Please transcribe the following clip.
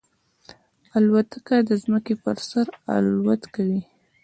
الوتکه د ځمکې پر سر الوت کوي.